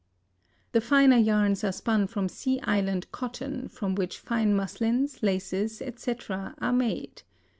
The finer yarns are spun from Sea Island cotton, from which fine muslins, laces, etc., are made.